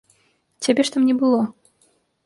Цябе ж там не было.